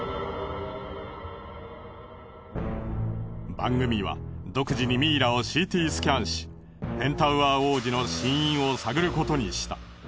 番組は独自にミイラをＣＴスキャンしペンタウアー王子の死因を探ることにした。